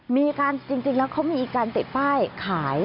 มีการจริงแล้วเขามีอีกการเตะป้ายขาย